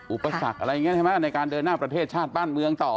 อุปสรรคอะไรอย่างนี้ใช่ไหมในการเดินหน้าประเทศชาติบ้านเมืองต่อ